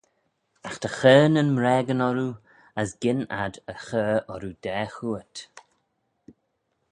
Agh dy chur nyn mraagyn orroo, as gyn ad dy chur orroo daa chooat.